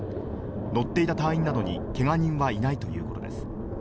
乗っていた隊員などにけが人はいないということです。